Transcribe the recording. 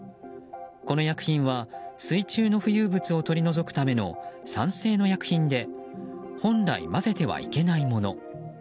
この薬品は水中の浮遊物を取り除くための酸性の薬品で本来、混ぜてはいけないもの。